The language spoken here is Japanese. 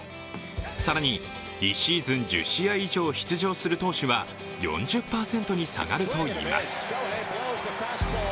更に、１シーズン１０試合以上出場する投手は４０％に下がるといいます。